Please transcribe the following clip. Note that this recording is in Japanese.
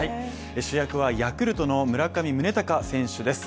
主役はヤクルトの村上宗隆選手です。